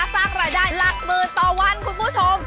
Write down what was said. สร้างรายได้หลักหมื่นต่อวันคุณผู้ชม